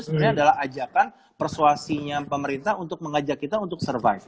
sebenarnya adalah ajakan persuasinya pemerintah untuk mengajak kita untuk survive